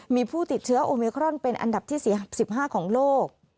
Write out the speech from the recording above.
มีผู้ติดเชื้อโอมิครอนเป็นอันดับที่๔๕ของโลก